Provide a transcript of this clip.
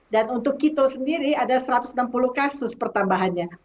dan untuk kita sendiri ada satu ratus enam puluh kasus pertambahannya